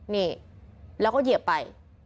นี่แล้วก็เหยียบไป